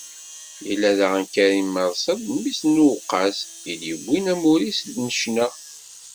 Yella daɣen Karim Mersel, mmi-s n Uweqqas, i d-yewwin amur-is n ccna.